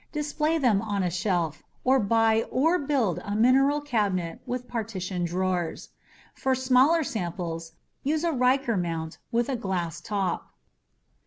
Display them on a shelf, or buy or build a mineral cabinet with partitioned drawers. For smaller samples, use a Riker mount with a glass top.